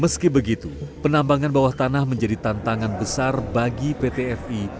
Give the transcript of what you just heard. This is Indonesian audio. meski begitu penambangan bawah tanah menjadi tantangan besar bagi pt fi